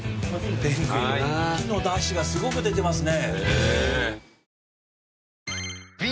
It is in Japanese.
カキのだしがすごく出てますね。